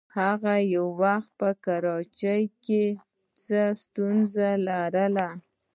هغې یو وخت په کراچۍ کې څه ستونزه لرله.